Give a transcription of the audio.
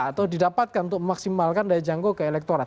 atau didapatkan untuk memaksimalkan daya jangkau ke elektorat